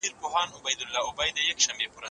موټر چلونکی د ښار تر چوکه پورې سوارلۍ رسوي.